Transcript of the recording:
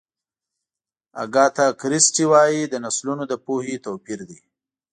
اګاتا کریسټي وایي د نسلونو د پوهې توپیر دی.